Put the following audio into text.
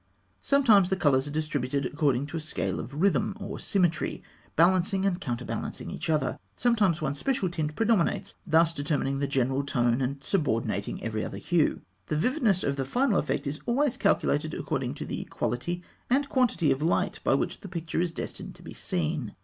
Sometimes the colours are distributed according to a scale of rhythm, or symmetry, balancing and counterbalancing each other. Sometimes one special tint predominates, thus determining the general tone and subordinating every other hue. The vividness of the final effect is always calculated according to the quality and quantity of light by which the picture is destined to be seen.